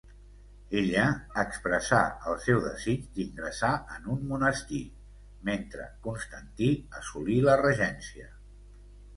Ella expressà el seu desig d'ingressar en un monestir, mentre Constantí assolí la regència.